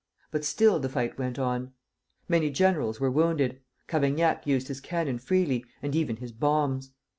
But still the fight went on. Many generals were wounded. Cavaignac used his cannon freely, and even his bombs.